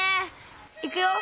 いくよ。